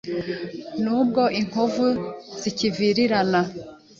Nubwo inkovu zikivirirana